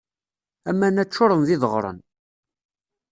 Aman-a ččuren d ideɣren.